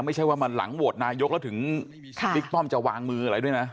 ไม่ใช่ว่ามันหลังโหวตนายกแล้วถึงบิ๊กป้อมจะวางมืออะไรด้วยนะ